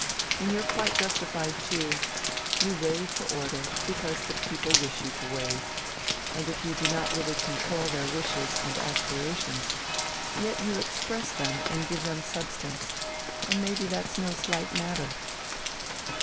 And you're quite justified too. You wave to order, because the people wish you to wave, and if you do not really control their wishes and aspirations, yet you express them and give them substance, and may be that's no slight matter."